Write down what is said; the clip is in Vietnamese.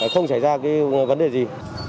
không xảy ra cái vấn đề gì